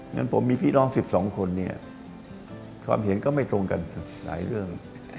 งั้นผมมีพี่น้อง๑๒คนเนี่ยความเห็นก็ไม่ตรงกันหลายเรื่อง